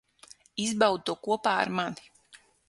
Izbaudi to kopā ar mani.